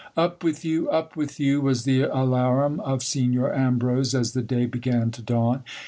Up with you ! up with you ! was the alarum of Signor Ambrose, as the day began to dawn.